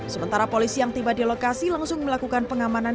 sementara polisi yang tiba di lokasi langsung melakukan pengamanan